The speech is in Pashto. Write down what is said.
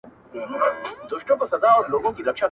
راته خلاص کړو د خیالونو ګلکدې ور